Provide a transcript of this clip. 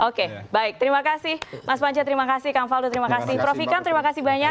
oke baik terima kasih mas panca terima kasih kang faldo terima kasih prof ikam terima kasih banyak